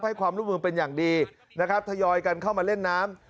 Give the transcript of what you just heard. ให้ความร่วมมือเป็นอย่างดีนะครับทยอยกันเข้ามาเล่นน้ำ